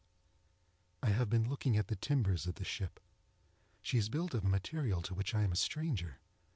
I have been looking at the timbers of the ship. She is built of a material to which I am a stranger.